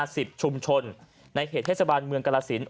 สิบชุมชนในเขตเทศบาลเมืองกรสิน